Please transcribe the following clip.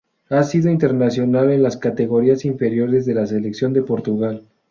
Ha sido internacional en las categorías inferiores de la selección de Portugal.